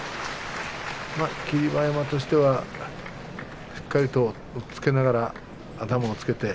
霧馬山としてはしっかりと押っつけながら頭をつけました。